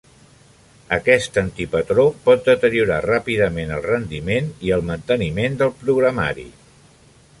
Aquest antipatró pot deteriorar ràpidament el rendiment i el manteniment del programari.